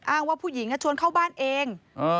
ว่าผู้หญิงชวนเข้าบ้านเอง